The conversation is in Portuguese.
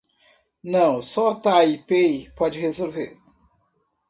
Não só Taipei pode resolver